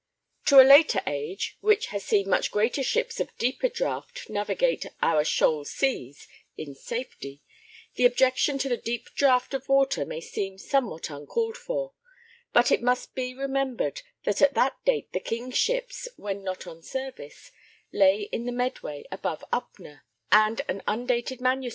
To a later age, which has seen much greater ships of deeper draught navigate 'our shoal seas' in safety, the objection to the deep draught of water may seem somewhat uncalled for, but it must be remembered that at that date the King's ships, when not on service, lay in the Medway above Upnor, and an undated MS.